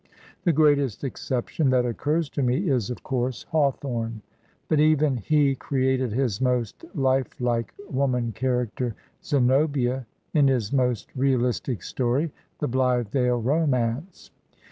The greatest exception that occurs to me is, of course, Hawthorne; but even he created his most lifeUke wom an character, Zenobia, in his most realistic story, "The Blithedale Romance."